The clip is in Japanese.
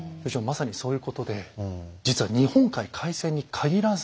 まさにそういうことで実は日本海海戦に限らず。